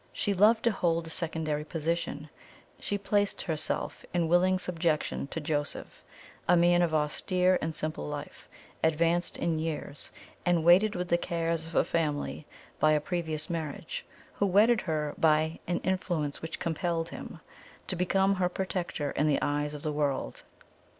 She loved to hold a secondary position; she placed herself in willing subjection to Joseph a man of austere and simple life, advanced in years, and weighted with the cares of a family by a previous marriage who wedded her by AN INFLUENCE WHICH COMPELLED HIM to become her protector in the eyes of the world.